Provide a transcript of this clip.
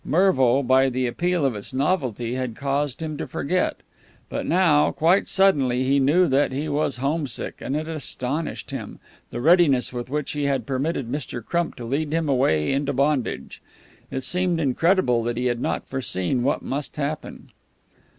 Mervo, by the appeal of its novelty, had caused him to forget. But now, quite suddenly, he knew that he was homesick and it astonished him, the readiness with which he had permitted Mr. Crump to lead him away into bondage. It seemed incredible that he had not foreseen what must happen.